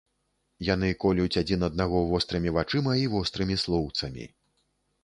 Яны колюць адзін аднаго вострымі вачыма і вострымі слоўцамі.